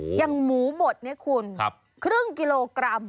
อย่างหมูบดเนี่ยคุณครึ่งกิโลกรัม